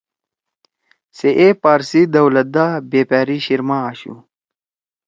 سے اے پارسی دولَت دا بیپاری شیِر ما آشُو